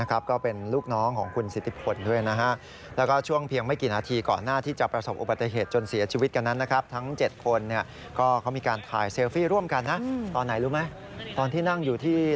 ก็เป็นลูกน้องของคุณสิทธิพลด้วย